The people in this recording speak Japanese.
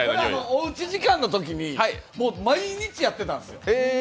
おうち時間のときに毎日やってたんですよ。